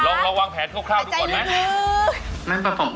ลองวางแผนคร่าวดูก่อนไหม